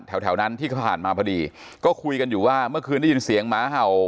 แถวแถวนั้นที่ผ่านมาพอดีก็คุยกันอยู่ว่าเมื่อคืนได้ยินเสียงหมาเห่า